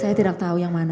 saya tidak tahu yang mana